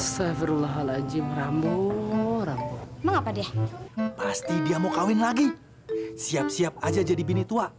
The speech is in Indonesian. sampai jumpa di video selanjutnya